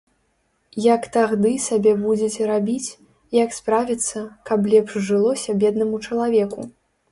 Як тагды сабе будзеце рабіць, як справіцца, каб лепш жылося беднаму чалавеку.